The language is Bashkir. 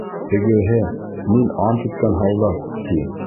Тегеһе, мин ант иткән һалдат, ти.